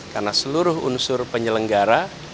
karena seluruh unsur penyelenggara